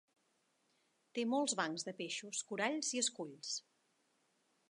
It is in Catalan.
Té molts bancs de peixos, coralls i esculls.